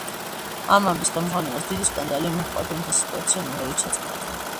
ამ ამბის გამჟღავნებას დიდი სკანდალი მოჰყვა, თუმცა სიტუაცია მალევე ჩაწყნარდა.